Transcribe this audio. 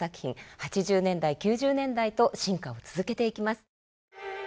８０年代９０年代と進化を続けていきます。